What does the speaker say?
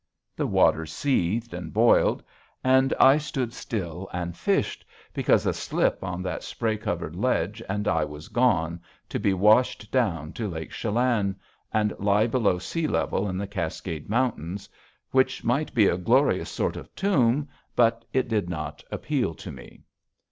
The water seethed and boiled, and I stood still and fished, because a slip on that spray covered ledge and I was gone, to be washed down to Lake Chelan, and lie below sea level in the Cascade Mountains. Which might be a glorious sort of tomb, but it did not appeal to me.